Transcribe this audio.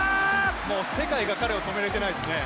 もう世界が彼を止めれてないですね。